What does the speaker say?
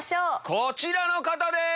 こちらの方です！